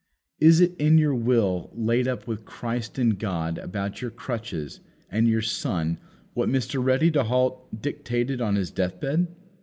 Is it in your will laid up with Christ in God about your crutches and your son what Mr. Ready to halt dictated on his deathbed?